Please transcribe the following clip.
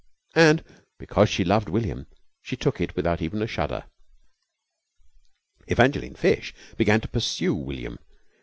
And because she loved William she took it without even a shudder. Evangeline Fish began to pursue William.